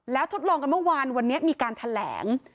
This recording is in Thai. แล้วทดลองกันเมื่อวานวันนี้มีการแถลง